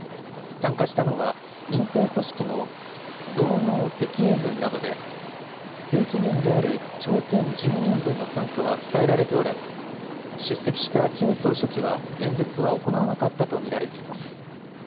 参加したのは民兵組織の労農赤衛軍などで正規軍である朝鮮人民軍の参加は伝えられておらず出席したキム総書記は演説は行わなかったと見られています。